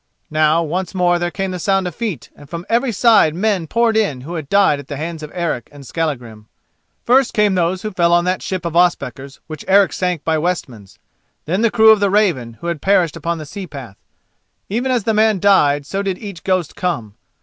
Now once more there came the sound of feet, and from every side men poured in who had died at the hands of Eric and Skallagrim. First came those who fell on that ship of Ospakar's which Eric sank by Westmans; then the crew of the Raven who had perished upon the sea path. Even as the man died, so did each ghost come.